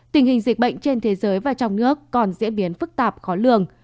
tình hình dịch bệnh trên thế giới và trong nước còn diễn biến phức tạp khó lường